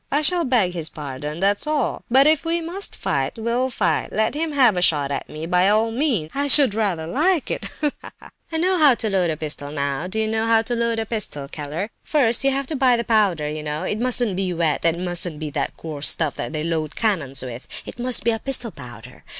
I shall beg his pardon, that's all. But if we must fight—we'll fight! Let him have a shot at me, by all means; I should rather like it. Ha, ha, ha! I know how to load a pistol now; do you know how to load a pistol, Keller? First, you have to buy the powder, you know; it mustn't be wet, and it mustn't be that coarse stuff that they load cannons with—it must be pistol powder.